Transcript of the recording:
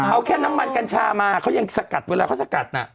เอาแค่น้ำมันกัญชามาเขายังสกัดเวลาเขาสกัดน่ะ